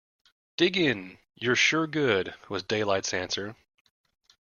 Dig in; you're sure good, was Daylight's answer.